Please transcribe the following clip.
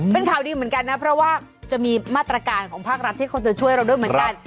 เป็นข่าวดีเหมือนกันนะเพราะว่าจะมีมาตรการของภาครัฐที่เขาจะช่วยเราด้วยเหมือนกัน